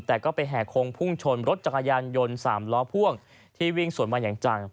แต่ก็ไปแห่โคงพุ่งชนรถจักรยานยนต์๓ล้อพ่วงที่วิ่งสวนมาอย่างจัง